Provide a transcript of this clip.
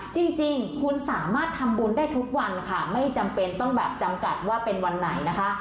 จริงคุณสามารถทำบุญได้ทุกวันค่ะไม่จำเป็นต้องแบบจำกัดว่าเป็นวันไหนนะคะ